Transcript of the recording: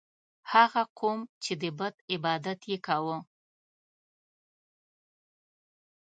هغه قوم چې د بت عبادت یې کاوه.